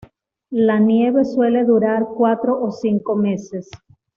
La nieve suele durar cuatro o cinco meses.